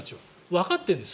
わかってるんです